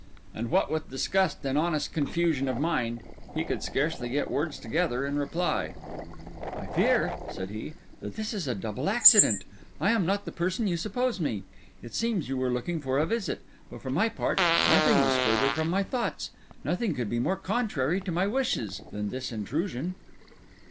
And what with disgust and honest confusion of mind, he could scarcely get words together in reply. "I fear," he said, "that this is a double accident. I am not the person you suppose me. It seems you were looking for a visit; but for my part, nothing was further from my thoughts—nothing could be more contrary to my wishes—than this intrusion."